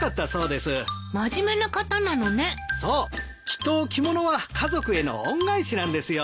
きっと着物は家族への恩返しなんですよ。